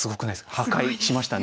破壊しましたね。